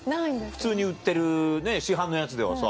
普通に売ってる市販のやつではさ。